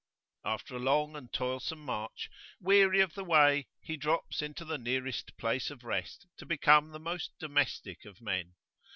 After a long and toilsome march, weary of the way, he drops into the nearest place of rest to become the most domestic of men.